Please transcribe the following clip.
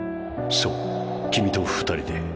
そう君と２人で」。